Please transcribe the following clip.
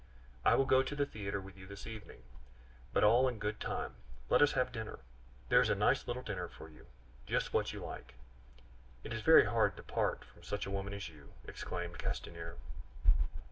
I will go to the theater with you this evening. But all in good time; let us have dinner! There is a nice little dinner for you just what you like." "It is very hard to part from such a woman as you!" exclaimed Castanier.